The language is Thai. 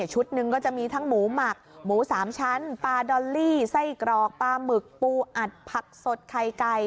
ชุดหนึ่งก็จะมีทั้งหมูหมักหมู๓ชั้นปลาดอลลี่ไส้กรอกปลาหมึกปูอัดผักสดไข่ไก่